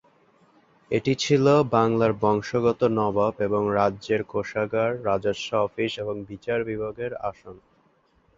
এটি ছিল বাংলার বংশগত নবাব এবং রাজ্যের কোষাগার, রাজস্ব অফিস এবং বিচার বিভাগের আসন।